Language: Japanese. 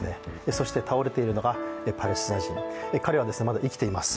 そして倒れているのがパレスチナ人、彼はまだ生きています。